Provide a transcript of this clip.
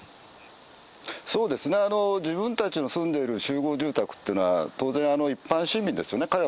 自分たちの住んでいる集合住宅というのは当然、一般市民ですよね。